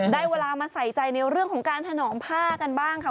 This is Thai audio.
ได้เวลามาใส่ใจในเรื่องของการถนอมผ้ากันบ้างค่ะ